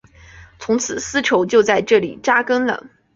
从此丝绸就在这里扎根了。